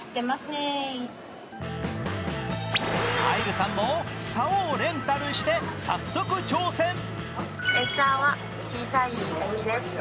あいるさんもさおをレンタルして早速挑戦。